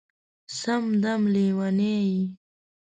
سم دم لېونی یې